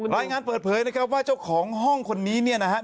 รายงานเปิดเผยนะครับว่าเจ้าของห้องคนนี้เนี่ยนะครับ